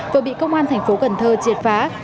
vừa bị công an thành phố cần thơ triệt phá